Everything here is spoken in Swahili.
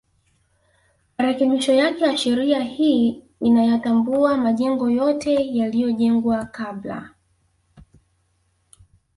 Marekebisho yake ya sheria hii inayatambua majengo yote yaliyojengwa kabla